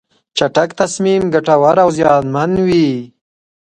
چټک تصمیم ګټور او زیانمن وي.